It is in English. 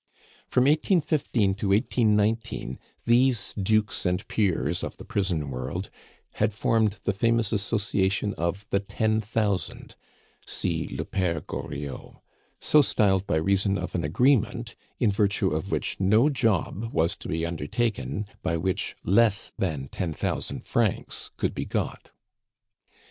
From 1815 to 1819 these dukes and peers of the prison world had formed the famous association of the Ten thousand (see le Pere Goriot), so styled by reason of an agreement in virtue of which no job was to be undertaken by which less than ten thousand francs could be got.